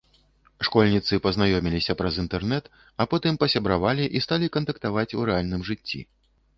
Школьніцы пазнаёміліся праз інтэрнэт, а потым пасябравалі і сталі кантактаваць у рэальным жыцці.